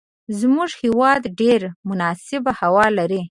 زموږ هیواد ډیره مناسبه هوا لری